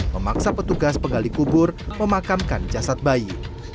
memaksa petugas pegali kubur memakamkan jasad bayi